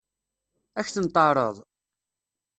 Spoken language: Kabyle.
Ad k-ten-teɛṛeḍ?